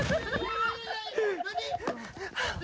何？